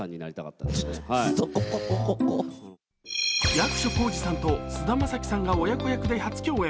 役所広司さんと菅田将暉さんが親子役で初共演。